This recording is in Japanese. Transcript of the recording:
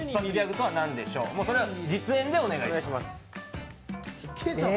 それは実演でお願いします。